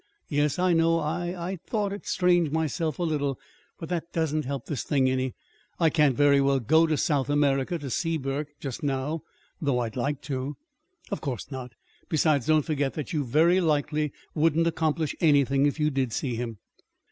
"Yes, I know. I I'd thought it strange myself a little. But that doesn't help this thing any. I can't very well go to South America to see Burke, just now though I'd like to." "Of course not. Besides, don't forget that you very likely wouldn't accomplish anything if you did see him."